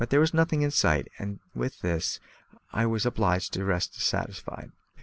There was nothing in sight, and with this I was obliged to rest satisfied.